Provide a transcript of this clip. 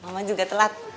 mama juga telat